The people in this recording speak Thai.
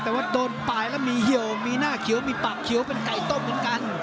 แต่ว่าโดนปลายแล้วมีเหี่ยวมีหน้าเขียวมีปากเขียวเป็นไก่ต้มเหมือนกัน